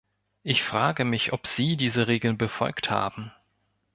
Ich frage mich, ob Sie diese Regeln befolgt haben.